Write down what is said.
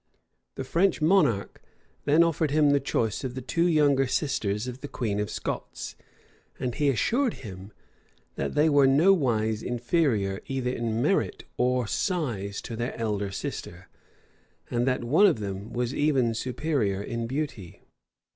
The French monarch then offered him the choice of the two younger sisters of the queen of Scots; and he assured him, that they were nowise inferior either in merit or size to their elder sister, and that one of them was even superior in beauty.